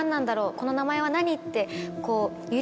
この名前は何？ってこう。